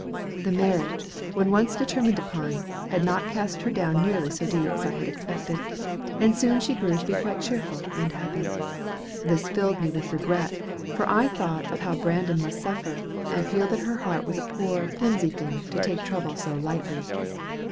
The marriage, when once determined upon, had not cast her down nearly so deep as I had expected, and soon she grew to be quite cheerful and happy. This filled me with regret, for I thought of how Brandon must suffer, and felt that her heart was a poor, flimsy thing to take this trouble so lightly.